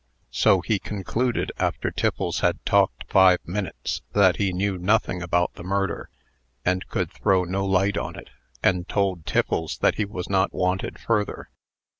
So he concluded, after Tiffles had talked five minutes, that he knew nothing about the murder, and could throw no light on it, and told Tiffles that he was not wanted further.